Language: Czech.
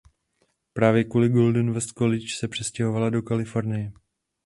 Právě kvůli Golden West College se přestěhovala do Kalifornie.